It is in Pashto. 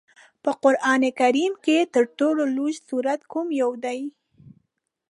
په قرآن کریم کې تر ټولو لوږد سورت کوم یو دی؟